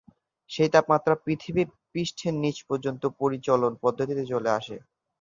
সেই তাপমাত্রা পৃথিবী পৃষ্ঠের নীচ পর্যন্ত পরিচলন পদ্ধতিতে চলে আসে।